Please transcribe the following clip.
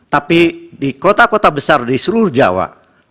tapi di kota kota besar di seluruh jawa